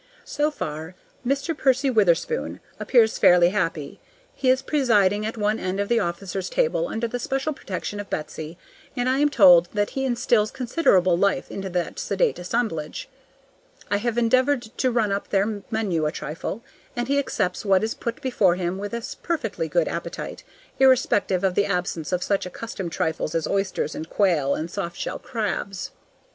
So far Mr. Percy Witherspoon appears fairly happy. He is presiding at one end of the officers' table under the special protection of Betsy, and I am told that he instills considerable life into that sedate assemblage. I have endeavored to run up their menu a trifle, and he accepts what is put before him with a perfectly good appetite, irrespective of the absence of such accustomed trifles as oysters and quail and soft shell crabs.